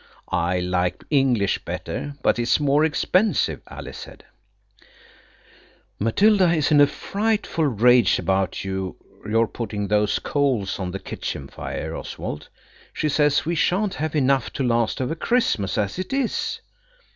"I like English better, but it is more expensive," Alice said– "Matilda is in a frightful rage about your putting those coals on the kitchen fire, Oswald. She says we shan't have enough to last over Christmas as it is.